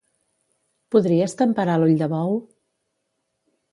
Podries temperar l'ull de bou?